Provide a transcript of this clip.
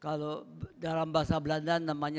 kalau dalam bahasa belanda namanya